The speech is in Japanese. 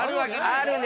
あるね。